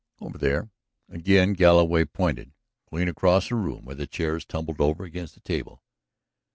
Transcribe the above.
"Over there." Again Galloway pointed. "Clean across the room, where the chair is tumbled over against the table."